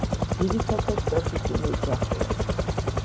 ძირითადად ტროპიკული ოჯახია.